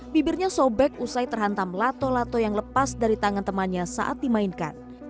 bibirnya sobek usai terhantam lato lato yang lepas dari tangan temannya saat dimainkan